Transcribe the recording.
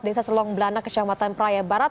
desa selong belana kecamatan praia barat